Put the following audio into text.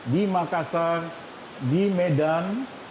di makassar di medan